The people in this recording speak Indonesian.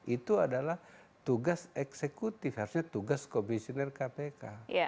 itu adalah tugas eksekutif harusnya tugas komisioner kpk